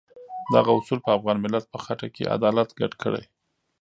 دغه اصول په افغان ملت په خټه کې عدالت ګډ کړی.